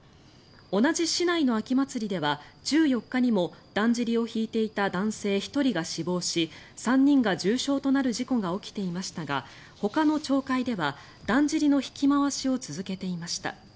同じ市内の秋祭りでは１４日にもだんじりを引いていた男性１人が死亡し３人が重傷となる事故が起きていましたがほかの町会ではだんじりの引き回しを続けていました。